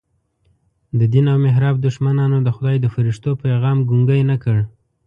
د دین او محراب دښمنانو د خدای د فرښتو پیغام ګونګی نه کړ.